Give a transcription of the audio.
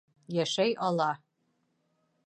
— Йәшәй ала.